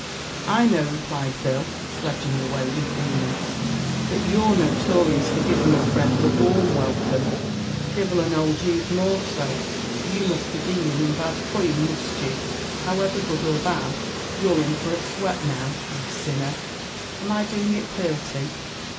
"I know," replied Bill, sledging away with vehemence, "that you're notorious for giving your friends a warm welcome. Divil an ould youth more so; but you must be daling in bad coin, must you? However, good or bad, you're in for a sweat now, you sinner. Am I doin' it purty?"